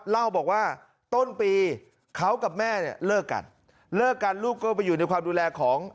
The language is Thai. เล่าบอกว่าต้นปีเขากับแม่เนี่ยเลิกกันเลิกกันลูกก็ไปอยู่ในความดูแลของ